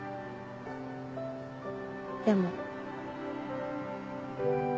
でも。